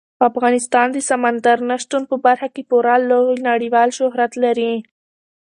افغانستان د سمندر نه شتون په برخه کې پوره او لوی نړیوال شهرت لري.